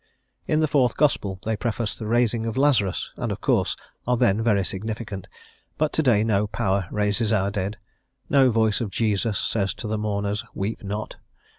In the Fourth Gospel they preface the raising of Lazarus, and of course are then very significant, but to day no power raises our dead, no voice of Jesus says to the mourners, "Weep not."